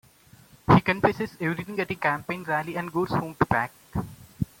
He confesses everything at a campaign rally and goes home to pack.